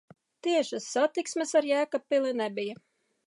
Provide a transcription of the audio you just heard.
Tiešas satiksmes ar Jēkabpili nebija.